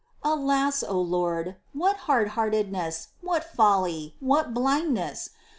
7. Alas, O Lord ! what hard heartedness, what folly, what blindness